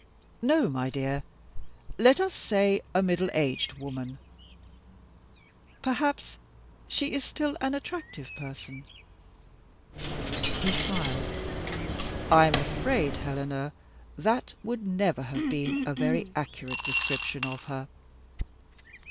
"No, my dear. Let us say, a middle aged woman." "Perhaps she is still an attractive person?" He smiled. "I am afraid, Helena, that would never have been a very accurate description of her."